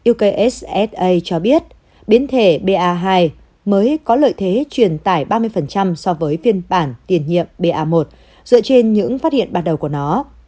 ekssa cho biết biến thể ba mới có lợi thế truyền tải ba mươi so với phiên bản tiền nhiệm ba một dựa trên những phát hiện ban đầu của nó